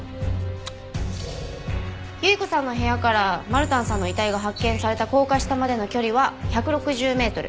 結子さんの部屋からマルタンさんの遺体が発見された高架下までの距離は１６０メートル。